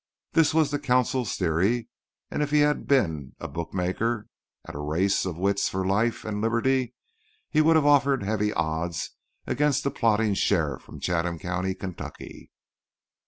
This was the consul's theory and if he had been a bookmaker at a race of wits for life and liberty he would have offered heavy odds against the plodding sheriff from Chatham County, Kentucky.